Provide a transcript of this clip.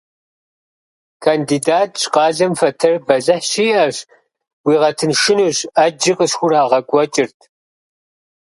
Кандидатщ, къалэм фэтэр бэлыхь щиӏэщ, уигъэтыншынущ — ӏэджи къысхурагъэкӏуэкӏырт.